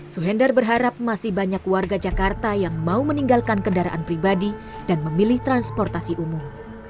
suhendar berharap masih banyak warga jakarta yang mau meninggalkan kendaraan pribadi dan memilih transportasi umum